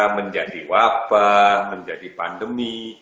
menjadi wabah menjadi pandemi